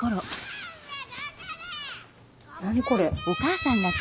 何これ？